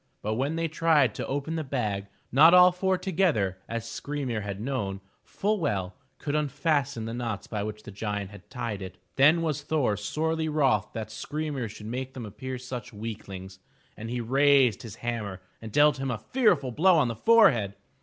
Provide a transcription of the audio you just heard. But when they tried to open the bag, not all four together, as Skry'mir had known full well, could unfasten the knots by which the giant had tied it. Then was Thor sorely wroth that Skry'mir should make them appear such weaklings, and he raised his hammer and dealt him a fearful blow on the forehead.